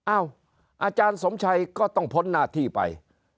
อาจารย์สมชัยก็ต้องพ้นหน้าที่ไป